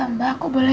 mbak aku boleh